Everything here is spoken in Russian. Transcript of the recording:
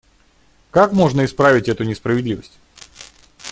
Как можно исправить эту несправедливость?